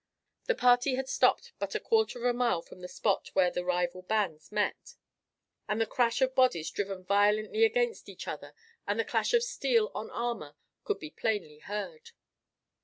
The party had stopped but a quarter of a mile from the spot where the rival bands met, and the crash of bodies driven violently against each other and the clash of steel on armour could be plainly heard.